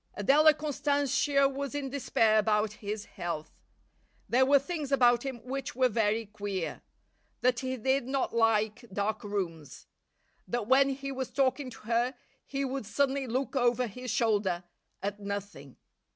Adela Constantia was in despair about his health. There were things about him which were very queer; that he did not like dark rooms. That when he was talking to her he would suddenly look over his shoulder at nothing.